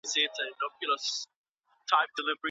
بندګانو ته بايد په خپلو حقوقو کي عفو وسي.